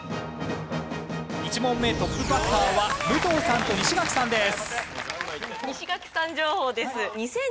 １問目トップバッターは武藤さんと西垣さんです。